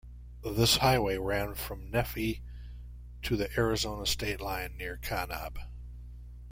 This highway ran from Nephi to the Arizona state line near Kanab.